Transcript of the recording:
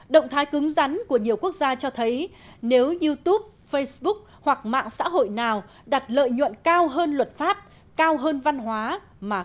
động thái cứng rắn của nhiều quốc gia cho thấy nếu youtube facebook hoặc mạng xã hội nào có thể bị phạt một khoản tiền đến năm mươi triệu euro nếu không sớm xóa bỏ các thông điệp mang tính thù hận